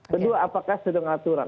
kedua apakah sesuai dengan aturan